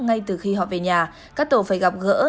ngay từ khi họ về nhà các tổ phải gặp gỡ